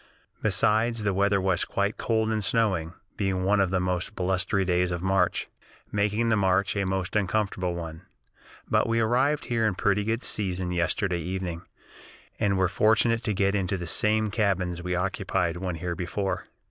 Besides, the weather was quite cold and snowing, being one of the most blustery days of March, making the march a most uncomfortable one. But we arrived here in pretty good season yesterday evening, and were fortunate to get into the same cabins we occupied when here before.